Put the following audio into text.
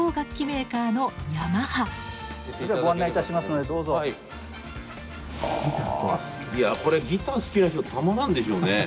いやこれギター好きな人たまらんでしょうね。